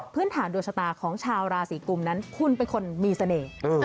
ฐานดวงชะตาของชาวราศีกุมนั้นคุณเป็นคนมีเสน่ห์